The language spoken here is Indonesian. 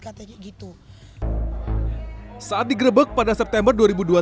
saat digerebek pada september dua ribu dua puluh tiga